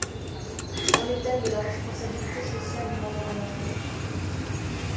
C'est un des thèmes de la responsabilité sociale et environnementale.